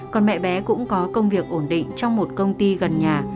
còn mẹ bé cũng có công việc ổn định trong một công ty gần nhà